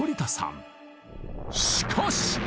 しかし！